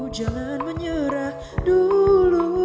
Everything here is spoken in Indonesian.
jangan menyerah dulu